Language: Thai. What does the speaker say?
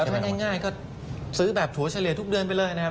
ถ้าไม่ได้ง่ายก็ซื้อแบบถั่วเฉลี่ยทุกเดือนไปเลยนะครับ